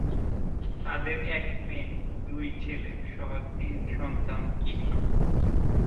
তাদের এক মেয়ে ও দুই ছেলে সহ তিন সন্তান ছিল।